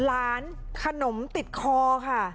หลานขนมติดคอค่ะ